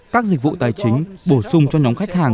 các dịch vụ tài chính bổ sung cho nhóm khách hàng